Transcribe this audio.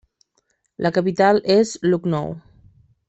La capital és Lucknow.